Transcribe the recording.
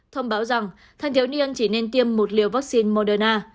thông báo rằng thanh thiếu niên chỉ nên tiêm một liều vaccine moderna